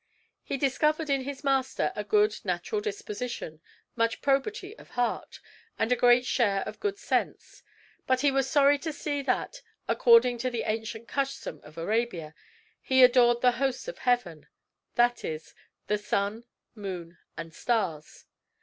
He discovered in his master a good natural disposition, much probity of heart, and a great share of good sense; but he was sorry to see that, according to the ancient custom of Arabia, he adored the host of heaven; that is, the sun, moon, and stars.